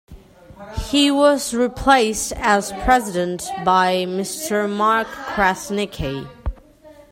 He was 'replaced as President by Mr Mark Krasniqi.